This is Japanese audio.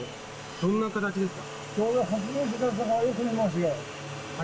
どんな形ですか？